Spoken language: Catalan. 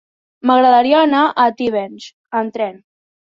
M'agradaria anar a Tivenys amb tren.